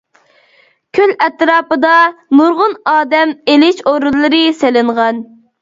كۆل ئەتراپىدا نۇرغۇن ئادەم ئېلىش ئورۇنلىرى سېلىنغان.